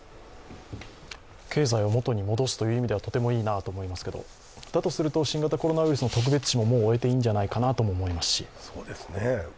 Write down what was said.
経済を元に戻すという意味ではとてもいいなと思いますが、だとすると新型コロナウイルスの特別視も終えていいんじゃないかなとも思いますし。